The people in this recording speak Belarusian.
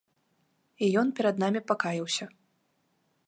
І ён перад намі пакаяўся.